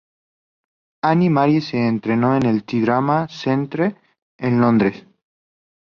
Anne-Marie se entrenó en el "The Drama Centre" en Londres.